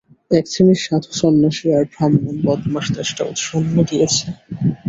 এক শ্রেণীর সাধু সন্ন্যাসী আর ব্রাহ্মণ বদমাশ দেশটা উৎসন্ন দিয়েছে।